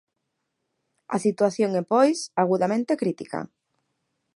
A situación é, pois, agudamente crítica.